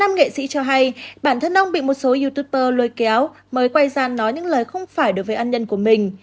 năm nghệ sĩ cho hay bản thân ông bị một số youtuber lôi kéo mới quay ra nói những lời không phải đối với ăn nhân của mình